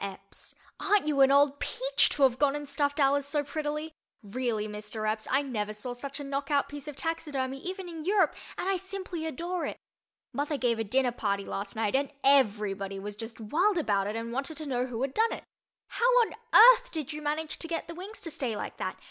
Epps: Aren't you an old peach to have gone and stuffed Alice so prettily! Really, Mr. Epps, I never saw such a knockout piece of taxidermy, even in Europe, and I simply adore it. Mother gave a dinner party last night and everybody was just wild about it and wanted to know who had done it. How on earth did you manage to get the wings to stay like that?